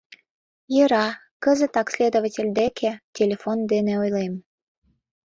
— Йӧра, кызытак следователь деке телефон дене ойлем.